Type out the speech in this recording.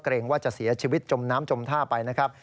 เกรงว่าจะเสียชีวิตจมน้ำจมท่าไปนะครับ